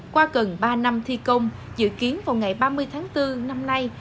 qua gần ba năm thi công dự kiến vào ngày ba mươi tháng bốn năm nay